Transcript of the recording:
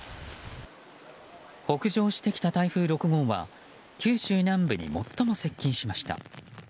北上してきた台風６号は九州南部に最も接近しました。